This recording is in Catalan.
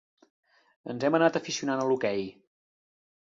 Ens hem anat aficionant a l'hoquei.